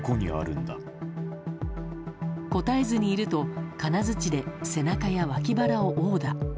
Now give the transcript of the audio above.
答えずにいると、金づちで背中や脇腹を殴打。